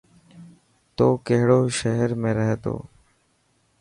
تو ڪهڙي شهر ۾ رهي ٿو